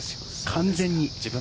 完全に。